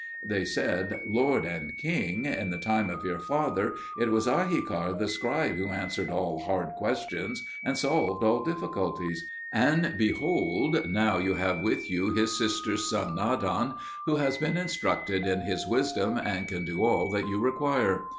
They said, "Lord and king, in the time of your father it was Ahikar the scribe who answered all hard questions and solved all difficulties; and behold, now you have with you his sister's son Nadan, who has been instructed in his wisdom and can do all that you require."